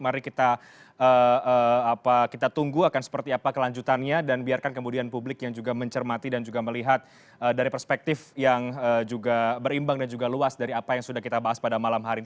mari kita tunggu akan seperti apa kelanjutannya dan biarkan kemudian publik yang juga mencermati dan juga melihat dari perspektif yang juga berimbang dan juga luas dari apa yang sudah kita bahas pada malam hari ini